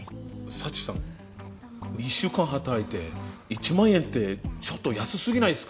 佐知さん２週間働いて１万円ってちょっと安すぎないですか？